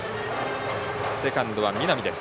セカンドは南です。